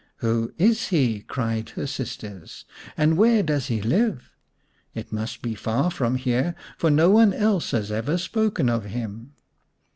" Who is he ?" cried her sisters, " and where does he live ? It must be far from here, for no one else has ever spoken of him."